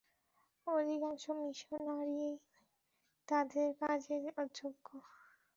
অধিকাংশ মিশনারীই তাদের কাজের অযোগ্য।